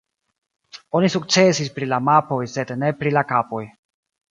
Oni sukcesis pri la mapoj sed ne pri la kapoj.